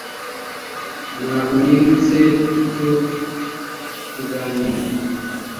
ntabwo nibutse icyo kiganiro